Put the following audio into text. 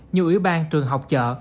như ưu ban trường học chợ